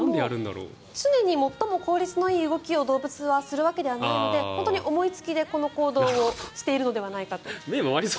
常に最も効率の動きをいい動きを動物はするわけではないので本当に思いつきで、この行動をしているのではないかと。